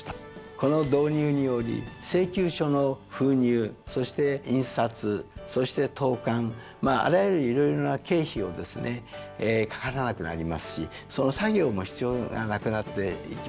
この導入により請求書の封入そして印刷そして投函あらゆる色々な経費をですねかからなくなりますしその作業も必要がなくなっていきます。